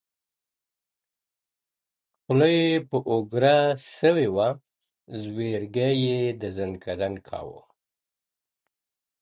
خوله ئې په اوگره سوې وه، ځگېروى ئې د ځکندن کاوه.